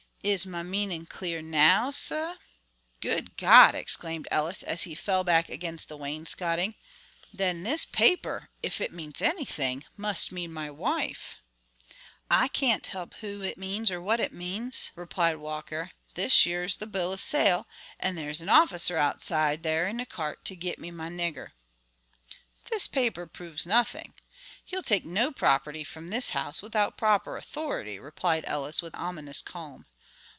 Is my meaning clear now, sah?" "Good God!" exclaimed Ellis, as he fell back against the wainscotting, "then this paper, if it means anything, must mean my wife." "I can't help who it means or what it means," replied Walker, "this yer's the bill of sale, an' there's an officer outside there in the cart to git me my nigger." "This paper proves nothing. You'll take no property from this house without proper authority," replied Ellis with ominous calm.